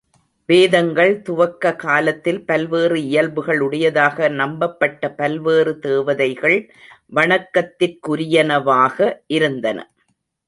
வேதங்களின் துவக்க காலத்தில் பல்வேறு இயல்புகள் உடையதாக நம்பப்பட்ட பல்வேறு தேவதைகள் வணக்கத்திற்குரியனவாக இருந்தன.